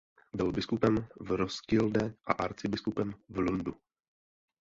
Byl biskupem v Roskilde a arcibiskupem v Lundu.